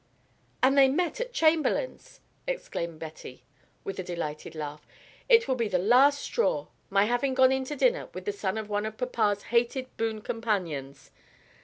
"And they met at Chamberlin's!" exclaimed Betty, with a delighted laugh. "It will be the last straw my having gone into dinner with the son of one of papa's hated boon companions.